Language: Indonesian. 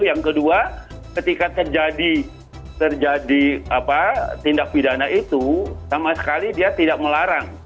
yang kedua ketika terjadi tindak pidana itu sama sekali dia tidak melarang